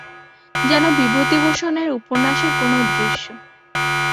যেন বিভূতিভূষণের উপন্যাসের কোনো দৃশ্য।